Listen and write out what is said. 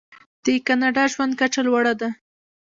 د کاناډا ژوند کچه لوړه ده.